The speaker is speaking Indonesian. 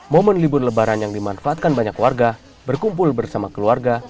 momen libur lebaran yang dimanfaatkan banyak warga berkumpul bersama keluarga